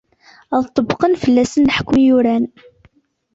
Ad ṭṭebqen fell-asen leḥkem yuran.